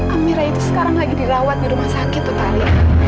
amira itu sekarang lagi dirawat di rumah sakit putari